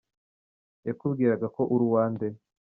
Yakubwiraga ko uri uwa nde ?